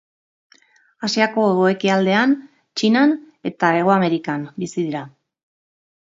Asiako hego-ekialdean, Txinan eta Hego Amerikan bizi dira.